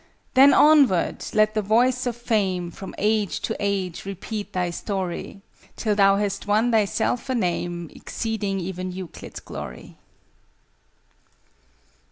Then onward! Let the voice of Fame From Age to Age repeat thy story, Till thou hast won thyself a name Exceeding even Euclid's glory!